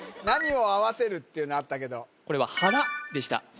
何を合わせるっていうのあったけどこれは腹でした